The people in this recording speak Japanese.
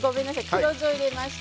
黒酢を入れました。